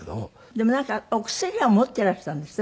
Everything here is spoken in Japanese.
でもなんかお薬は持っていらしたんですって？